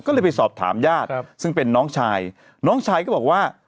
ก็เลยไปสอบถามญาติซึ่งเป็นน้องชายน้องชายก็บอกว่า